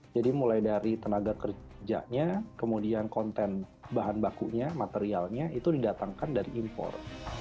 jadi mulai dari tenaga kerjanya kemudian konten bahan bakunya materialnya itu didatangkan dari impor